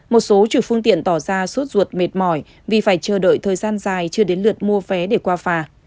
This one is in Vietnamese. một số chủ phương tiện tỏ ra sốt ruột mệt mỏi vì phải chờ đợi thời gian dài chưa đến lượt mua vé để qua phà